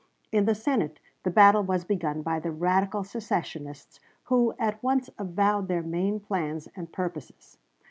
In the Senate the battle was begun by the radical secessionists, who at once avowed their main plans and purposes.